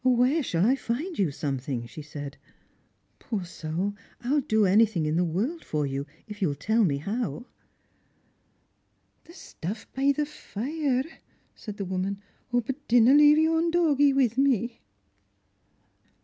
" 0, where shall I find you something ?" she said. " Poor soul, I'll do anything in the world for you, if you'll tell me how." " The stuff by the fire," said the woman ;" but dinna leave yon doggie with me."